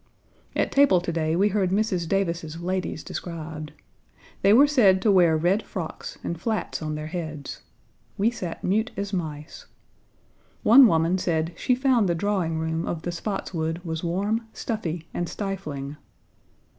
At table to day we heard Mrs. Davis's ladies described. They were said to wear red frocks and flats on their heads. We sat mute as mice. One woman said she found the drawing room of the Spotswood was warm, stuffy, and stifling.